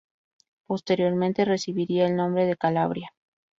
Posteriormente recibiría el nombre de Calabria.